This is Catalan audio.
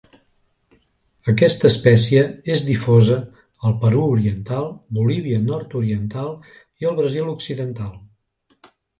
Aquesta espècie és difosa al Perú oriental, Bolívia nord-oriental i el Brasil occidental.